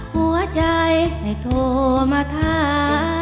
หัวใจให้โทรมาท้า